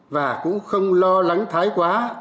và cũng không lo lắng thái quá